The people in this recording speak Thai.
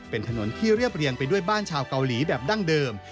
เป็นถนนที่เรียบเรียงไปด้วยบ้านชาวเกาหลีแบบดั้งเดิม